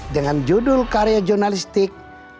dengan judul karya jurnalistik